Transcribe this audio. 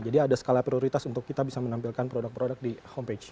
jadi ada skala prioritas untuk kita bisa menampilkan produk produk di home page